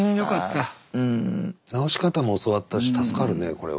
治し方も教わったし助かるねこれは。